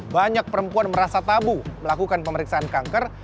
banyak perempuan merasa tabu melakukan pemeriksaan kanker